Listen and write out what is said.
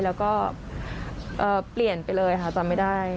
แล้วก็เปลี่ยนไปเลยค่ะจำไม่ได้